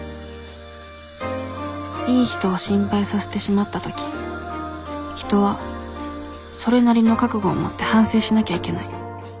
いい人を心配させてしまった時人はそれなりの覚悟をもって反省しなきゃいけない